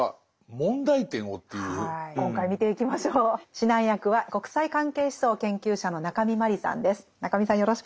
指南役は国際関係思想研究者の中見真理さんです。